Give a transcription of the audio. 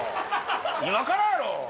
今からやろ！